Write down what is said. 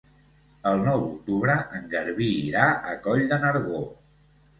El nou d'octubre en Garbí irà a Coll de Nargó.